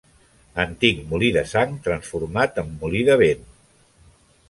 Antic molí de sang, transformat en molí de vent.